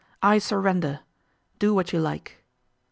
I surrender. Do what you like.